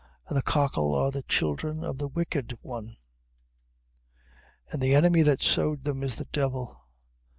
And the cockle are the children of the wicked one. 13:39. And the enemy that sowed them, is the devil.